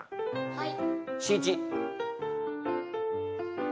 はい。